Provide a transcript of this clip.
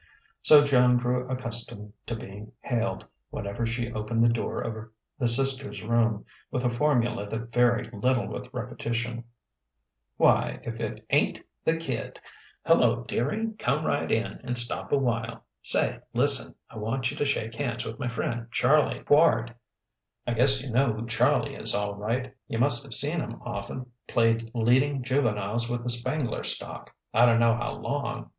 So Joan grew accustomed to being hailed, whenever she opened the door of the sisters' room, with a formula that varied little with repetition: "Why, if it ain't the kid! Hello, dearie come right in and stop awhile. Say, lis'n: I want you to shake hands with my friend, Charlie Quard. I guess you know who Charlie is, all right; you must of seen him of'n played leading juveniles with the Spangler Stock, I dunno how long.